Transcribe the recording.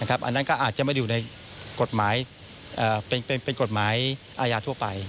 อันนั้นอาจจะไม่อยู่ในกฎหมายอาหารทั่วไป